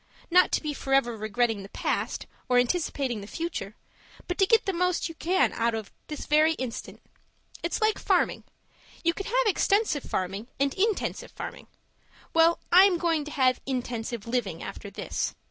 Not to be for ever regretting the past, or anticipating the future; but to get the most that you can out of this very instant. It's like farming. You can have extensive farming and intensive farming; well, I am going to have intensive living after this.